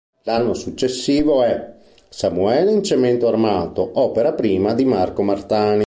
L'anno successivo è "Samuele" in "Cemento armato", opera prima di Marco Martani.